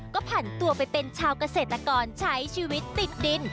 ก็ผ่านตัวไปเป็นชาวเกษตรกรใช้ชีวิตติดดิน